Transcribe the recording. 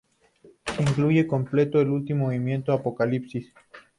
Incluye completo el último movimiento, "Apocalipsis".